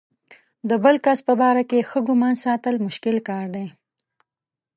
د بل کس په باره کې ښه ګمان ساتل مشکل کار دی.